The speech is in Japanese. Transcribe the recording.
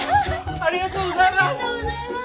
ありがとうございます！